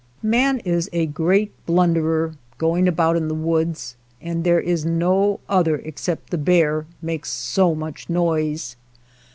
59 THE SCAVENGERS Man is a great blunderer going about in the woods, and there is no other except the bear makes so much noise.